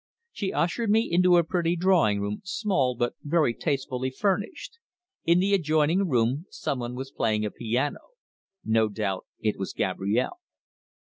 She ushered me into a pretty drawing room, small, but very tastefully furnished. In the adjoining room someone was playing a piano; no doubt it was Gabrielle.